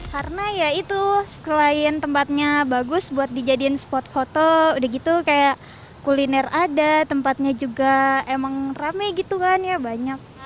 karena ya itu selain tempatnya bagus buat dijadiin spot foto udah gitu kayak kuliner ada tempatnya juga emang rame gitu kan ya banyak